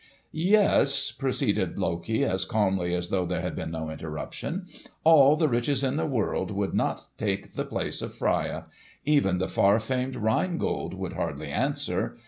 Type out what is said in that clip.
"Yes," proceeded Loki as calmly as though there had been no interruption, "all the riches in the world would not take the place of Freia. Even the far famed Rhine Gold would hardly answer.